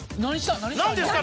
何ですか？